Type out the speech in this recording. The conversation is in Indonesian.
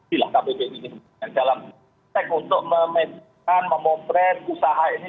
bila kppu ini yang dalam seks untuk memimpin memopret usaha ini